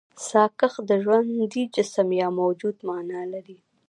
ساکښ د ژوندي جسم يا موجود مانا لري.